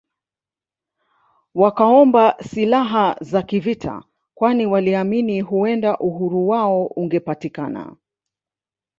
Wakaomba silaha za kivita kwani waliamini huenda uhuru wao ungepatikana